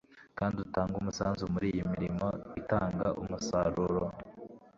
kandi utange umusanzu muriyi mirimo itanga umusaruro